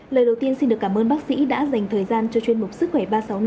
lời đầu tiên xin được cảm ơn bác sĩ đã dành thời gian cho chuyên mục sức khỏe ba trăm sáu mươi năm